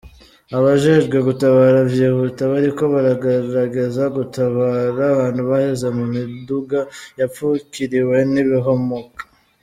Abajejwe gutabara vyihuta bariko baragerageza gutabara abantu baheze mu miduga yapfukiriwe n'ibihomoka.